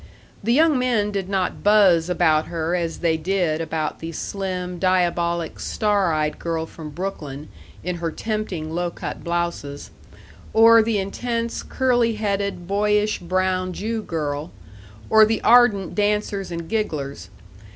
The young men did not buzz about her as they did about the slim, diabolic, star eyed girl from Brooklyn, in her tempting low cut blouses, or the intense, curly headed, boyish, brown Jew girl, or the ardent dancers and gigglers.